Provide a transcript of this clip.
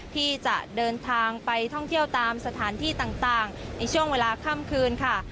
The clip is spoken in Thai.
ที่จะเดินทางไปท่องเที่ยวตามสถานที่ต่างในช่วงเวลาค่ำคืนค่ะ